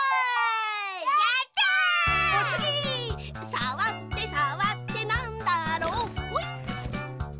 「さわってさわってなんだろう」ほい！